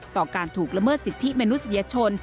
ต่อการถูกละเมิดสิทธิมนุษยชน